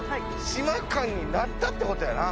島感になったってことやな